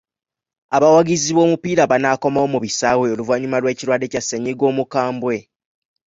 Abawagizi b'omupiira banaakomawo mu bisaawe oluvannyuma lw'ekirwadde kya ssennyiga omukambwe?